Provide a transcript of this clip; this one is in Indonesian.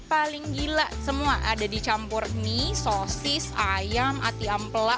paling gila semua ada dicampur mie sosis ayam ati ampela